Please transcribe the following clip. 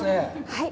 はい。